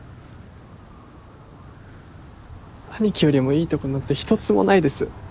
兄貴よりもいいとこなんて一つもないです